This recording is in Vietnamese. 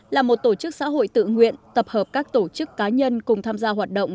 là một tổ chức xã hội tự nguyện tập hợp các tổ chức cá nhân cùng tham gia hoạt động